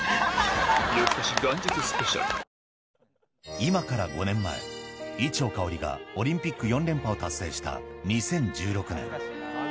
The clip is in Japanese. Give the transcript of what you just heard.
今から５年前、伊調馨がオリンピック４連覇を達成した２０１６年。